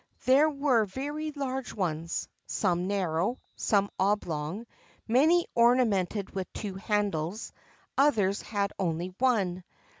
There were very large ones, some narrow, some oblong; many ornamented with two handles, others had only one.